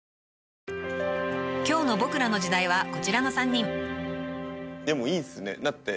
［今日の『ボクらの時代』はこちらの３人］でもいいっすね。